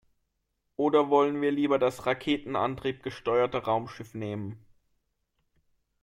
Oder wollen wir lieber das raketenantriebgesteuerte Raumschiff nehmen?